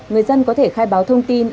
người dân có thể khai báo thông tin